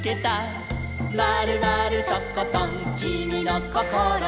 「まるまるとことんきみのこころは」